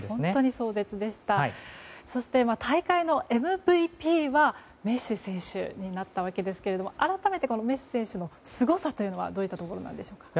そして、大会のＭＶＰはメッシ選手になったわけですが改めてメッシ選手のすごさはどういったところでしょうか。